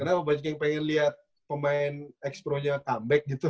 kenapa banyak yang pengen lihat pemain ex pro nya comeback gitu